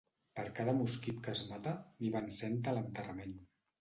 Per cada mosquit que es mata, n'hi van cent a l'enterrament.